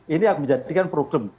ini yang menjadikan problem